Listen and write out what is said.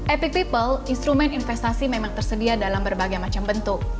epic people instrumen investasi memang tersedia dalam berbagai macam bentuk